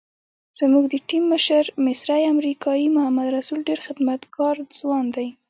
زموږ د ټیم مشر مصری امریکایي محمد رسول ډېر خدمتګار ځوان دی.